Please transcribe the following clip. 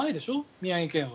宮城県は。